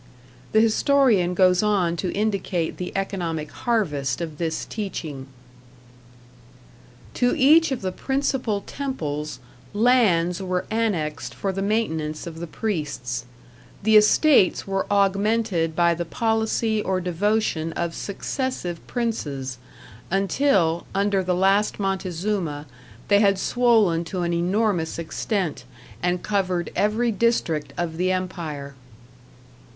The historian goes on to indicate the economic harvest of this teaching: To each of the principal temples, lands were annexed for the maintenance of the priests. The estates were augmented by the policy or devotion of successive princes, until, under the last Montezuma, they had swollen to an enormous extent, and covered every district of the empire.